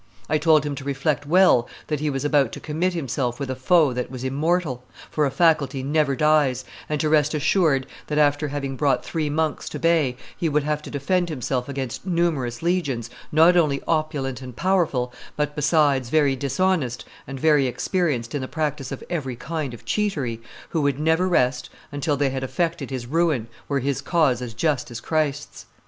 I told him to reflect well that he was about to commit himself with a foe that was immortal, for a faculty never dies, and to rest assured that after having brought three monks to bay, he would have to defend himself against numerous legions, not only opulent and powerful, but, besides, very dishonest and very experienced in the practice of every kind of cheatery, who would never rest until they had effected his ruin, were his cause as just as Christ's.